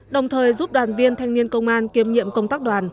đồng thời giúp đoàn viên thanh niên công an kiêm nhiệm công tác đoàn